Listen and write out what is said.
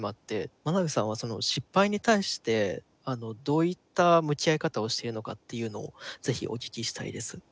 真鍋さんは失敗に対してどういった向き合い方をしているのかっていうのをぜひお聞きしたいです。